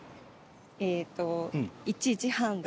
えっと１時半。